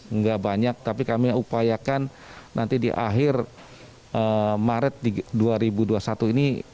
nggak banyak tapi kami upayakan nanti di akhir maret dua ribu dua puluh satu ini